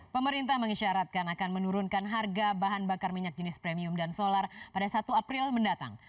pemerintah mengisyaratkan akan menurunkan harga bahan bakar minyak jenis premium dan solar pada satu april mendatang